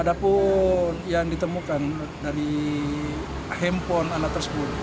ada pun yang ditemukan dari handphone anak tersebut